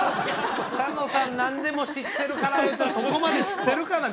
草野さん何でも知ってるからいうてそこまで知ってるかな？